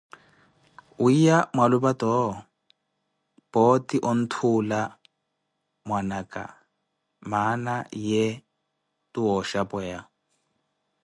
Wiiya mwalupa toowo, pooti onthuula mwana aka, mana ye tooxhapweya.